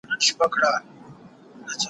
چي خبري دي ترخې لګېږي ډېري